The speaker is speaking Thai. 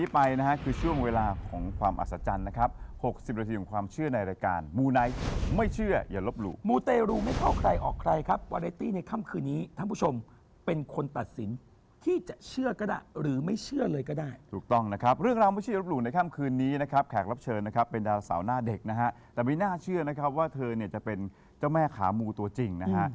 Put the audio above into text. เป็นดาวสาวหน้าเด็กนะฮะแต่ไม่น่าเชื่อนะครับว่าเธอเนี่ยจะเป็นเจ้าแม่ขามูตัวจริงนะฮะ